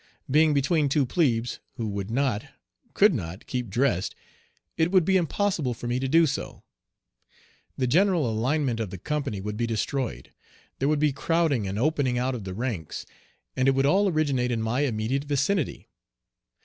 Being between two plebes, who would not, could not keep dressed, it would be impossible for me to do so. The general alignment of the company would be destroyed. There would be crowding and opening out of the ranks, and it would all originate in my immediate vicinity.